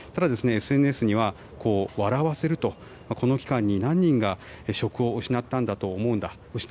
ただ、ＳＮＳには笑わせるとこの期間に何人が職を失ったんだと思うんだ。